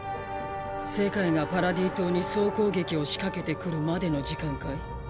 世界がパラディ島に総攻撃を仕掛けてくるまでの時間かい？